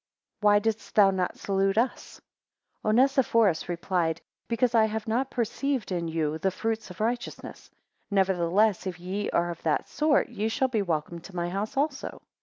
Why didst thou not salute us? 10 Onesiphorus replied, Because I have not perceived in you the fruits of righteousness; nevertheless, if ye are of that sort, ye shall be welcome to my house also.